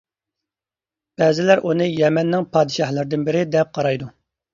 بەزىلەر ئۇنى يەمەننىڭ پادىشاھلىرىدىن بىرى دەپ قارايدۇ.